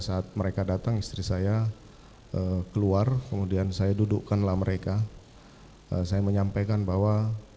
saat mereka datang istri saya keluar kemudian saya dudukkanlah mereka saya menyampaikan bahwa